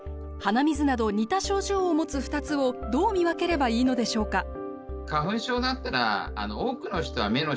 鼻水など似た症状を持つ２つをどう見分ければいいのでしょうか？